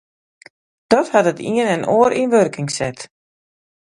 Dat hat it ien en oar yn wurking set.